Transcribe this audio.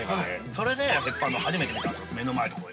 それで鉄板の、初めて見たんですよ、目の前のところで。